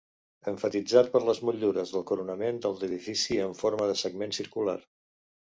Emfatitzat per les motllures del coronament de l'edifici en forma de segment circular.